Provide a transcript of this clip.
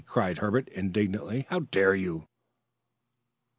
cried Herbert indignantly. "How dare you!"